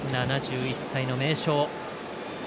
７１歳の名将。